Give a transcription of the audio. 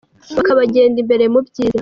Bakabagenda imbere mu byiza